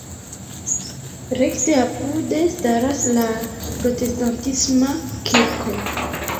Rekte apude staras la protestantisma kirko.